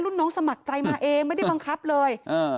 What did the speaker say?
น้องสมัครใจมาเองไม่ได้บังคับเลย